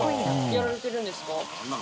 やられてるんですか？